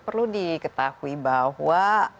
perlu diketahui bahwa